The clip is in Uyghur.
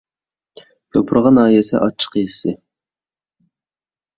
يوپۇرغا ناھىيەسى ئاچچىق يېزىسى